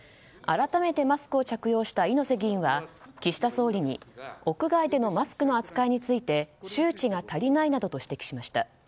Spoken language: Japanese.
改めてマスクを着用した猪瀬議員は岸田総理に屋外でのマスクの扱いについて周知が足りないなどと指摘しました。